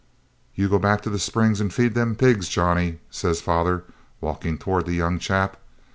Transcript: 'You go back to the Springs and feed them pigs, Johnny,' says father, walking towards the young chap.